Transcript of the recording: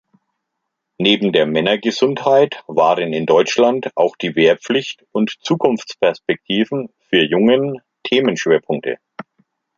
Neben der Männergesundheit waren in Deutschland auch die Wehrpflicht und Zukunftsperspektiven für Jungen Themenschwerpunkte.